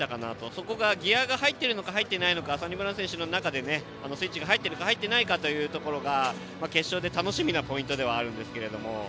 そこがギヤが入っているのか入っていないのかサニブラウン選手の中でスイッチが入っているか入っていないかというところは決勝で楽しみなポイントではあるんですけど。